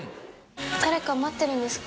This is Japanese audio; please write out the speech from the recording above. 誰か待ってるんですか？